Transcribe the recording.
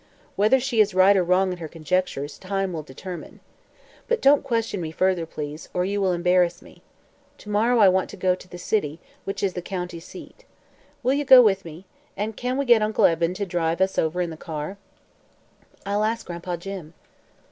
Whether she is right or wrong in her conjectures, time will determine. But don't question me further, please, or you will embarrass me. To morrow I want to go to the city, which is the county seat. Will you go with me? And can we get Uncle Eben to drive us over in the car?" "I'll ask Gran'pa Jim."